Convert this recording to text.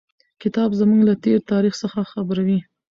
کتاب موږ له تېر تاریخ څخه خبروي.